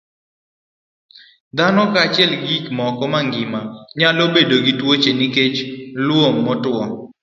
Dhano kaachiel gi gik moko mangima nyalo bedo gi tuoche nikech lowo motwo.